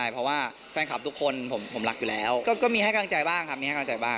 เพราะว่าแฟนคลับทุกคนผมรักอยู่แล้วก็มีให้กำลังใจบ้างครับ